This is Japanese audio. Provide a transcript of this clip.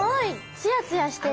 ツヤツヤしてる！